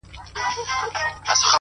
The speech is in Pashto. چي دا څه چل و چي دا څه چي ويل څه چي کول’